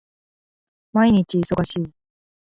毎日忙しい